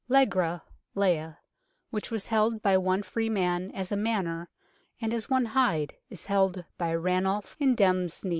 " Legra [Leigh] which was held by i free man as a manor and as i hide, is held by R[anulf] in demesne.